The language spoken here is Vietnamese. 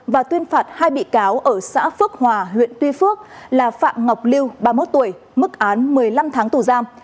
và tuyên phạt hai bị cáo ở xã phước hòa huyện tuy phước là phạm ngọc lưu ba mươi một tuổi mức án một mươi năm tháng tù giam